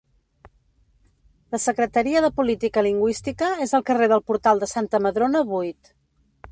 La Secretaria de Política Lingüística és al carrer del Portal de Santa Madrona, vuit.